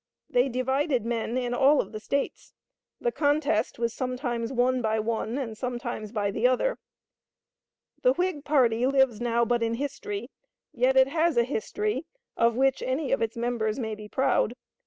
They divided men in all of the States. The contest was sometimes won by one, and sometimes by the other. The Whig party lives now but in history, yet it has a history of which any of its members may be proud.